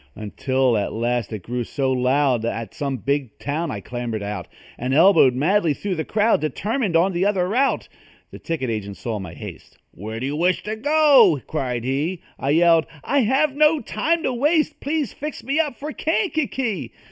Until at last it grew so loud, At some big town I clambered out And elbowed madly through the crowd, Determined on the other route. The ticket agent saw my haste; "Where do you wish to go?" cried he. I yelled: "I have no time to waste Please fix me up for Kankakee!"